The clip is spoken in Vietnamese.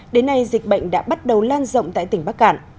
đến nay dịch bệnh đã bắt đầu lan rộng tại tỉnh bắc cạn